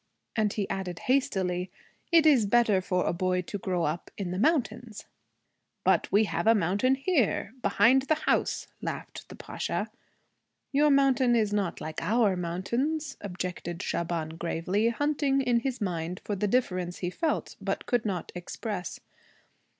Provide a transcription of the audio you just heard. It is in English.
And he added hastily, 'It is better for a boy to grow up in the mountains.' 'But we have a mountain here, behind the house,' laughed the Pasha. 'Your mountain is not like our mountains,' objected Shaban gravely, hunting in his mind for the difference he felt but could not express.